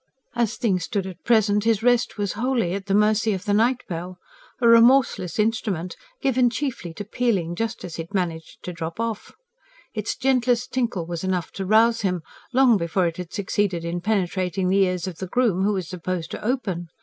As things stood at present his rest was wholly at the mercy of the night bell a remorseless instrument, given chiefly to pealing just as he had managed to drop off. Its gentlest tinkle was enough to rouse him long before it had succeeded in penetrating the ears of the groom, who was supposed to open.